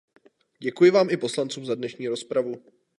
Děkuji vám i poslancům za dnešní rozpravu.